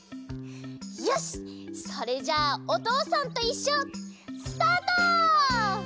よしそれじゃあ「おとうさんといっしょ」スタート！